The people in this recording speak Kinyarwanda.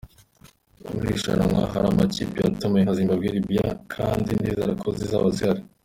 Muri iri rushanwa hari amakipe yatumiwe nka Zimbabwe, Libya kandi ndizera ko zizaba zihari.